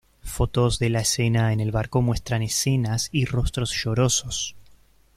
Fotos de la escena en el barco muestran escenas y rostros llorosos.